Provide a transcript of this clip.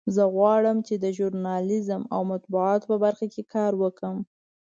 زه غواړم چې د ژورنالیزم او مطبوعاتو په برخه کې کار وکړم